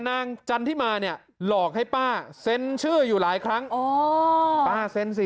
จันทิมาเนี่ยหลอกให้ป้าเซ็นชื่ออยู่หลายครั้งอ๋อป้าเซ็นสิ